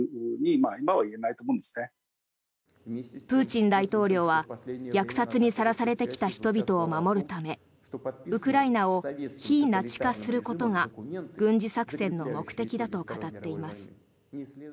プーチン大統領は虐殺にさらされてきた人を守るためウクライナを非ナチ化することが軍事作戦の目的だと語っています。